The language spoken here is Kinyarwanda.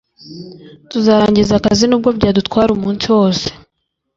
tuzarangiza akazi nubwo byadutwara umunsi wose